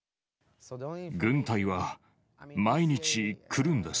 軍隊は毎日来るんです。